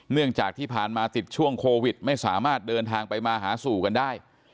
เนื่องจากที่ผ่านมาติดช่วงโควิดไม่สามารถเดินทางไปมาหาสู่กันได้